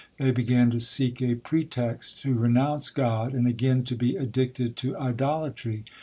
They began to seek a pretext to renounce God and again to be addicted to idolatry.